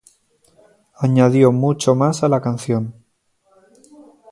Añadió mucho más a la canción".